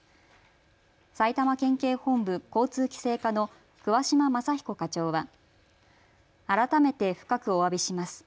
埼玉県警本部交通規制課の桑島正彦課長は改めて深くおわびします。